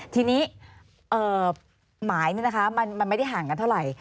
ทีนี้หมายมันไม่ได้ห่างกันเท่าไหร่